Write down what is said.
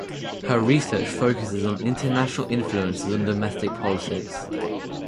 Her research focuses on international influences on domestic politics.